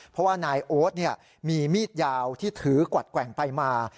เพราะว่านายโอ๊ตมีมีดยาวที่ถือกวัดแกว่งไปมา